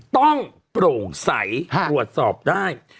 ต้องโปร่งใสตรวจสอบได้